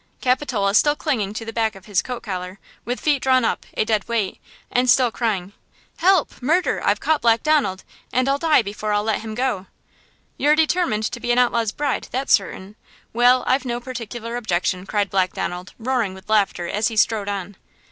Capitola still clinging to the back of his coat collar, with feet drawn up, a dead weight, and still crying: "Help! Murder! I've caught Black Donald, and I'll die before I'll let him go!" "You're determined to be an outlaw's bride, that's certain! Well, I've no particular objection!" cried Black Donald roaring with laughter as he strode on.